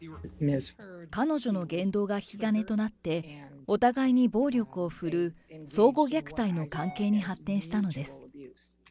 彼女の言動が引き金となって、お互いに暴力を振るう相互虐待の関係に発展したのです。